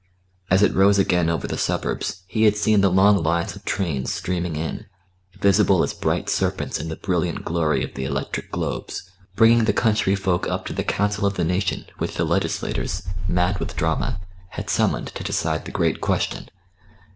As it rose again over the suburbs he had seen the long lines of trains streaming in, visible as bright serpents in the brilliant glory of the electric globes, bringing the country folk up to the Council of the Nation which the legislators, mad with drama, had summoned to decide the great question.